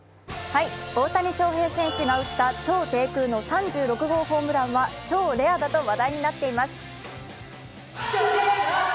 大谷翔平選手が打った超低空の３６号ホームランは超レアだと話題になっています。